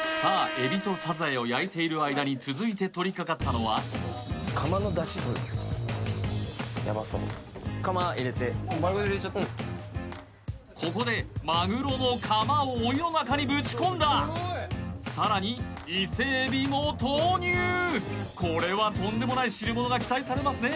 海老とサザエを焼いている間に続いて取りかかったのはうんここでマグロのカマをお湯の中にぶち込んださらに伊勢海老も投入これはとんでもない汁物が期待されますね